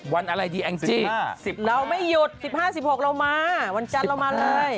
วันอะไรดีแองจี้๑๐เราไม่หยุด๑๕๑๖เรามาวันจันทร์เรามาเลย